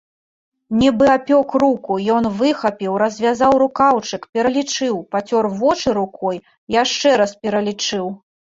Нібы апёк руку, ён выхапіў, развязаў рукаўчык, пералічыў, пацёр вочы рукой, яшчэ раз пералічыў.